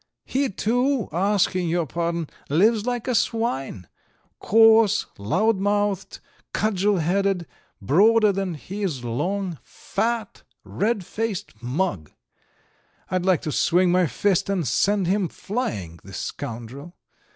He, too, asking your pardon, lives like a swine: coarse, loud mouthed, cudgel headed, broader than he is long, fat, red faced mug, I'd like to swing my fist and send him flying, the scoundrel.